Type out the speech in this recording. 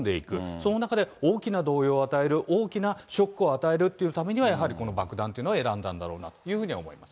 その中で大きな動揺を与える、大きなショックを与えるっていうためには、やはりこの爆弾というのを選んだんだろうなと思います。